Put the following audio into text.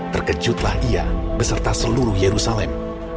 terkejutlah ia beserta seluruh yerusalem